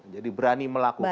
jadi berani melakukan